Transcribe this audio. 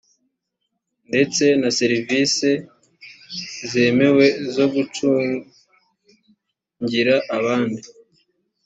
ndetse na serivisi zemewe zo gucungira abandi